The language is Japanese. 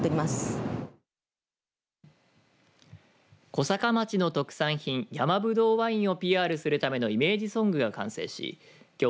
小坂町の特産品山ぶどうワインをＰＲするためのイメージソングが完成しきょう